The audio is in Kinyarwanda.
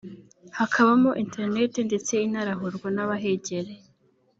hakabamo Internet ndetse inarahurwa n’abahegereye